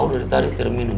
udah ditarik tiru minum